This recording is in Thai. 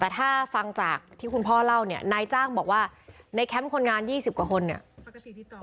แต่ถ้าฟังจากที่คุณพ่อเล่าเนี่ยนายจ้างบอกว่าในแคมป์คนงาน๒๐กว่าคนเนี่ย